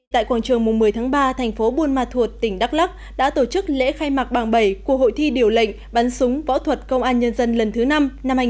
tại quảng trường một mươi tháng ba thành phố buôn ma thuột tỉnh đắk lắc đã tổ chức lễ khai mạc bảng bảy của hội thi điều lệnh bắn súng võ thuật công an nhân dân lần thứ năm năm hai nghìn hai mươi